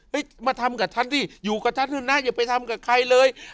มาทำกับฉันสิอยู่กับฉันเถอะนะอย่าไปทำกับใครเลย